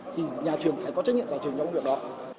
thì nhà trường phải có trách nhiệm giải trình trong công việc đó